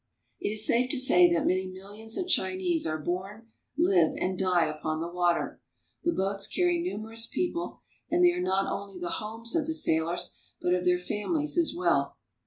It is safe to say that many millions of Chinese are born, live, and die upon the water. The boats carry numerous people, and they are not only the homes of the sailors, but of their families as well.